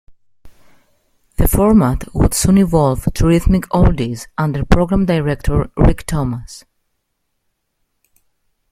The format would soon evolve to Rhythmic Oldies under program director Rick Thomas.